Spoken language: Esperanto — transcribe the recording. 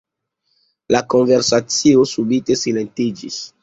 La konversacio subite silentiĝis.